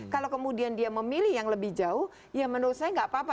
kalau kemudian dia memilih yang lebih jauh ya menurut saya nggak apa apa